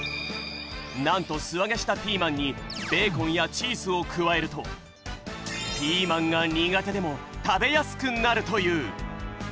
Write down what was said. なんとすあげしたピーマンにベーコンやチーズを加えるとピーマンが苦手でも食べやすくなるという！